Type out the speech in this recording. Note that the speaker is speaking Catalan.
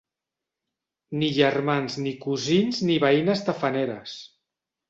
Ni germans ni cosins ni veïnes tafaneres.